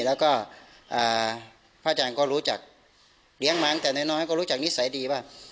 แล้วก็พระอาจารย์ก็รู้จักเลี้ยงมั้งแต่น้อยก็รู้จักนิสัยดีว่า